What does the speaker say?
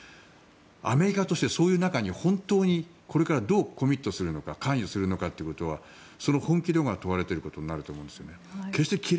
アメリカとしてはそういう中に、本当にこれからどうコミットするのか関与するのかということはその本気度が問われていることになると思うんです。